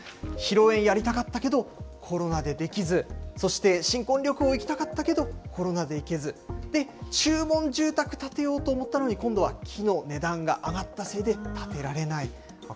いろいろやりたかったけど、コロナでできず、そして新婚旅行行きたかったけど、コロナ行けず、で、注文住宅建てようと思ったのに、今度は木の値段が上がったせいで建てられない。